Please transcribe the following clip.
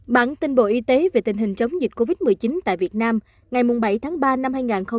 bản tin bộ y tế về tình hình chống dịch covid một mươi chín tại việt nam ngày bảy tháng ba năm hai nghìn hai mươi